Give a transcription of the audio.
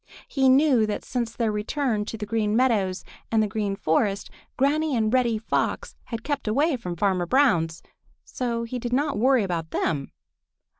He knew that since their return to the Green Meadows and the Green Forest, Granny and Reddy Fox had kept away from Farmer Brown's, so he did not worry about them.